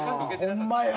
ホンマや！